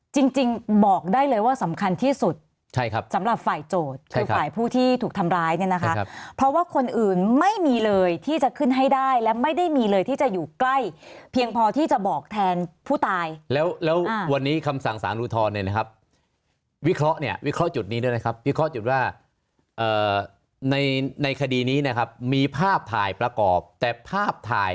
จริงจริงบอกได้เลยว่าสำคัญที่สุดใช่ครับสำหรับฝ่ายโจทย์คือฝ่ายผู้ที่ถูกทำร้ายเนี่ยนะคะเพราะว่าคนอื่นไม่มีเลยที่จะขึ้นให้ได้และไม่ได้มีเลยที่จะอยู่ใกล้เพียงพอที่จะบอกแทนผู้ตายแล้วแล้ววันนี้คำสั่งสารอุทธรณ์เนี่ยนะครับวิเคราะห์เนี่ยวิเคราะห์จุดนี้ด้วยนะครับวิเคราะห์จุดว่าในในคดีนี้นะครับมีภาพถ่ายประกอบแต่ภาพถ่าย